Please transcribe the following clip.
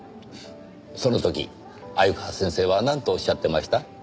その時鮎川先生はなんとおっしゃってました？